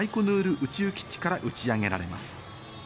宇宙基地から打ち上げられます。